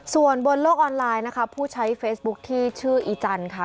ส่วนบนโลกออนไลน์นะคะผู้ใช้เฟซบุ๊คที่ชื่ออีจันทร์ค่ะ